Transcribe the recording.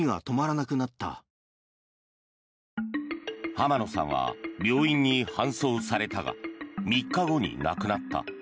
浜野さんは病院に搬送されたが３日後に亡くなった。